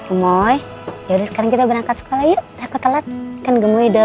omoi yaudah sekarang kita berangkat sekolah yuk takut telat kan gemoy dah